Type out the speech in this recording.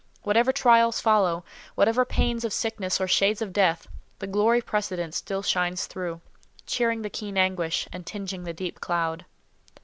Whatever trials follow, whatever pains of sickness or shades of death, the glory precedent still shines through, cheering the keen anguish, and tinging the deep cloud.